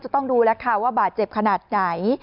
ตำรวจบอกว่าเดี๋ยว